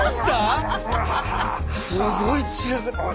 すごい散らかってる。